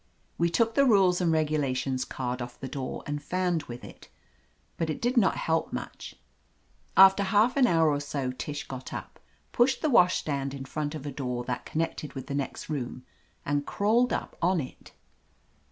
We took the rules and regulations card off the door and fanned with it, but it did not help much. After half an hour or so Tish got up, pushed the washstand in front of a door that connected with the next room and crawled up on it.